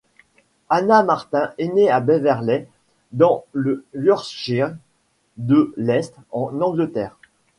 Anna Martin est née à Beverley, dans le Yorkshire de l'Est, en Angleterre.